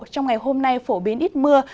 trong ngày hôm nay phổ biến ít mưa